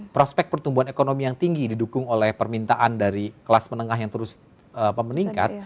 prospek pertumbuhan ekonomi yang tinggi didukung oleh permintaan dari kelas menengah yang terus meningkat